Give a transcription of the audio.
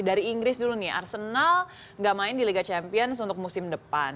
dari inggris dulu nih arsenal gak main di liga champions untuk musim depan